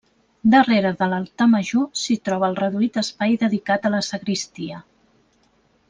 Darrere de l'altar major s'hi troba el reduït espai dedicat a la sagristia.